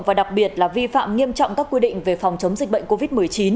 và đặc biệt là vi phạm nghiêm trọng các quy định về phòng chống dịch bệnh covid một mươi chín